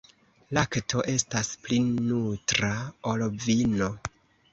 Lakto estas pli nutra, ol vino.